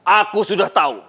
aku sudah tahu